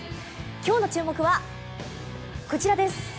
今日の注目は、こちらです。